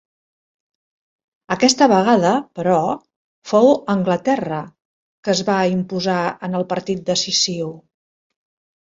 Aquesta vegada, però, fou Anglaterra, que es va imposar en el partit decisiu.